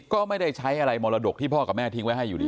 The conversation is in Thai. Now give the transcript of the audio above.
ก็ไม่ได้ใช้อะไรมรดกที่พ่อกับแม่ทิ้งไว้ให้อยู่ดี